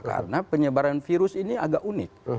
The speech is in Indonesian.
karena penyebaran virus ini agak unik